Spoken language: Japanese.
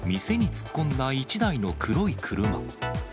店に突っ込んだ１台の黒い車。